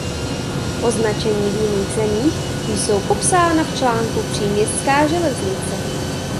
Označení v jiných zemích jsou popsána v článku Příměstská železnice.